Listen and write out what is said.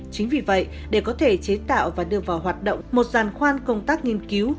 chính vì vậy để có thể chế tạo và đưa vào hoạt động một giàn khoan công tác nghiên cứu